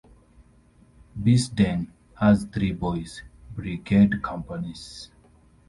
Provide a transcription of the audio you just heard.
Bearsden has three Boys' Brigade Companies.